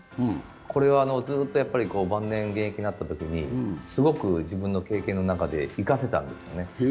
これはずっと晩年現役になったときに、すごく自分の経験の中で生かせたんですね。